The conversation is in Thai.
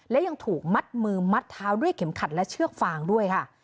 และยังถูกมัดมือมัดเท้าด้วยเข็มขัดและเชือกฟางด้วยค่ะ